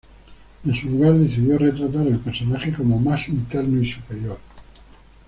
En su lugar, decidió retratar al personaje como "más interno y superior".